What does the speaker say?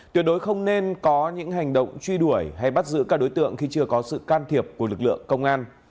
tuyệt đối không nên có những hành động truy đuổi hay bắt giữ các đối tượng khi chưa có sự can thiệp của lực lượng công an